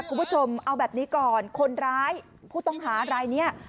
คุณผู้ชมเอาแบบนี้ก่อนคนร้ายผู้ต้องหารายนี้